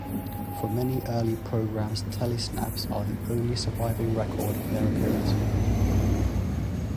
For many early programmes tele-snaps are the only surviving record of their appearance.